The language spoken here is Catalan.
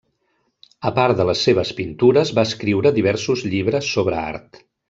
A part de les seves pintures, va escriure diversos llibres sobre art.